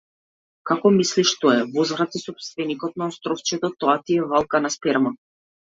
Како мислиш што е, возврати сопственикот на островчето, тоа ти е валкана сперма.